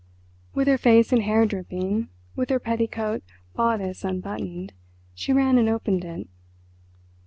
With her face and hair dripping, with her petticoat bodice unbuttoned, she ran and opened it.